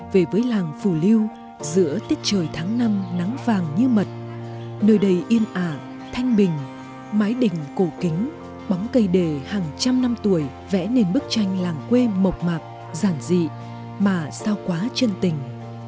về với làng phủ liêu giữa tiết trời tháng năm nắng vàng như mật nơi đầy yên ả thanh bình mái đỉnh cổ kính bóng cây đề hàng trăm năm tuổi vẽ nên bức tranh làng quê mộc mạp giản dị mà sao quá chân tình